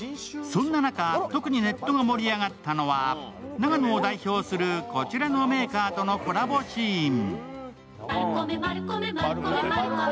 そん中、特にネットが盛り上がったのは、長野を代表するこちらのメーカーとのコラボシーン。